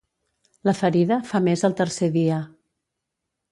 La ferida fa més al tercer dia.